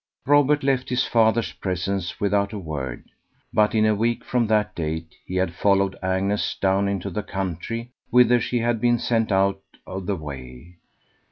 Robert left his father's presence without a word; but in a week from that date he had followed Agnes down into the country, whither she had been sent out of the way.